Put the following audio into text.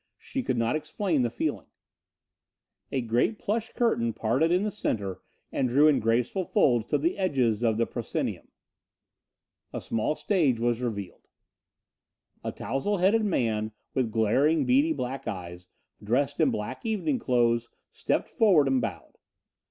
She could not explain the feeling. A great red plush curtain parted in the center and drew in graceful folds to the edges of the proscenium. A small stage was revealed. A tousle headed man with glaring, beady black eyes, dressed in black evening clothes stepped forward and bowed.